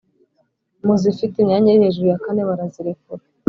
mu zifite imyanya iri hejuru ya kane barazirekura